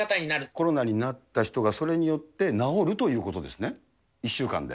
コロナになった人が、それによって治るということですね、１週間で。